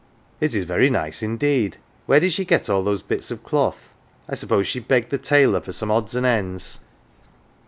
""" It is very nice indeed. Where did she get all those bits of cloth ? I suppose she begged the tailor for some odds and ends."